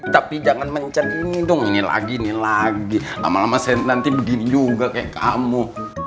tapi jangan mencet ini dong ini lagi ini lagi lama lama saya nanti begini juga kayak kamu